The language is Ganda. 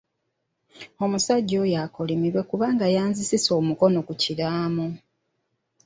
Omusajja oyo akolimirwe kubanga yanzisisa omukono ku kiraamo.